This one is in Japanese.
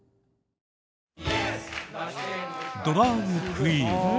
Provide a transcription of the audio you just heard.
ドラァグクイーン。